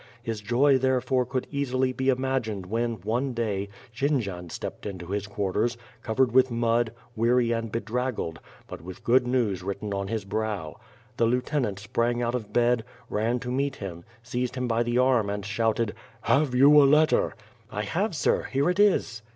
His joy therefore could easily be imagined when one day, Jendzian stepped into his quarters, covered with mud, weary and bedraggled, but Ath good news written on his brow. The lieutenant sprang out of bed, ran to meet him, seized him by the arm and shouted: "Have you a letter?" "1 have, sir! Here it is."